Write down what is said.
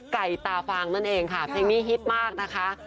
ไก่ตาฟางนั่นเองค่ะเพลงนี้ฮิตมากนะคะ